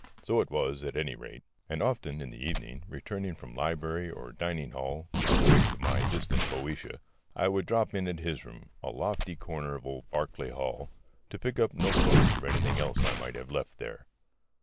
So it was, at any rate; and often in the evening, returning from library or dining hall on the way to my distant Boeotia, I would drop in at his room, in a lofty corner of old Barclay Hall, to pick up note books or anything else I might have left there.